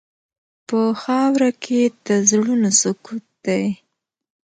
په خاوره کې د زړونو سکوت دی.